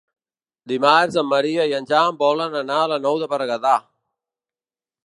Dimarts en Maria i en Jan volen anar a la Nou de Berguedà.